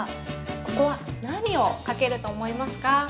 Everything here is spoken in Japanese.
ここは、何をかけると思いますか。